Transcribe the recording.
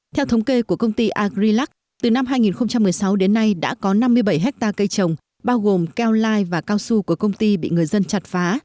theo thống kê của công ty agrilac từ năm hai nghìn một mươi sáu đến nay đã có năm mươi bảy hectare cây trồng bao gồm keo lai và cao su của công ty bị người dân chặt phá